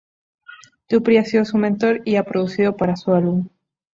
Dupri ha sido su mentor y ha producido para su álbum.